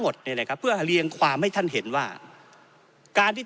หมดเนี่ยนะครับเพื่อเรียงความให้ท่านเห็นว่าการที่